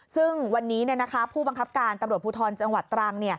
ซึ่งวันนี้ผู้บังคับการตำรวจภูทรจังหวัดตรัง